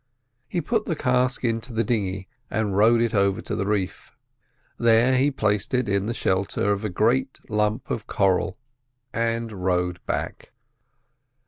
He put the cask into the dinghy, and rowed it over to the reef. There he placed it in the shelter of a great lump of coral, and rowed back.